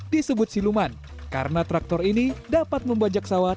disebut siluman karena traktor ini dapat membajak pesawat